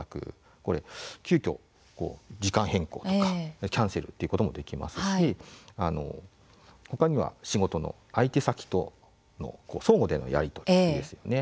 これは急きょ、時間を変更したりキャンセルということもできますしほかには仕事の相手先との相互でのやり取りですよね。